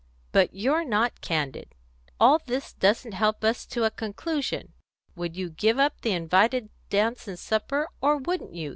"But you're not candid. All this doesn't help us to a conclusion. Would you give up the invited dance and supper, or wouldn't you?